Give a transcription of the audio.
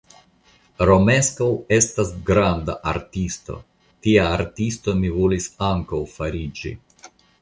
Romeskaŭ estas granda artisto, tia artisto mi volis ankaŭ fariĝi.